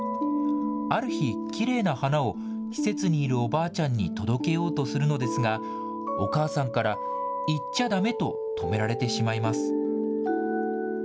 ある日、きれいな花を施設にいるおばあちゃんに届けようとするのですが、お母さんから、行っちゃだめと、止められてしまいます。